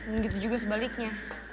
dan gitu juga sebaliknya